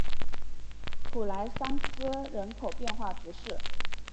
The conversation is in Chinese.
普莱桑斯人口变化图示